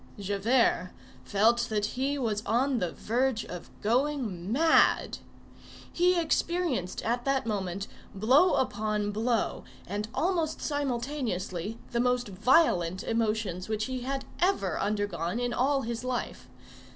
Javert felt that he was on the verge of going mad. He experienced at that moment, blow upon blow and almost simultaneously, the most violent emotions which he had ever undergone in all his life.